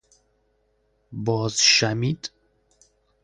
بازشَمید